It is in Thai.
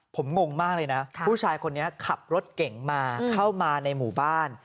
ผมงงมากเลยนะผู้ชายคนนี้ขับรถเก่งมาเข้ามาในหมู่บ้าน